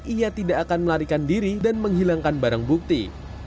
ia tidak akan melarikan diri dan menghilangkan barang bukti